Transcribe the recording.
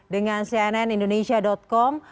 dengan cnn indonesia com